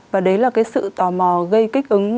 và đấy là cái sự tò mò gây kích ứng